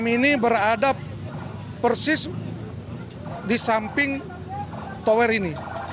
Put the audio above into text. enam ini berada persis di samping towar ini